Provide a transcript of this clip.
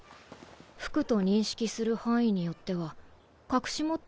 服と認識する範囲によっては隠し持っている武器とか。